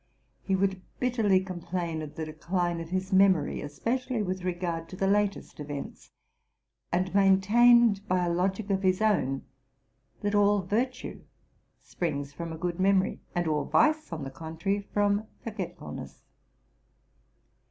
He would bitterly complain of the decline of his memory, especially with regard to the latest events, and maintained, by a logic of his own, that all virtue springs from a good memory, and all vice, on the contrary, from forgetful ness.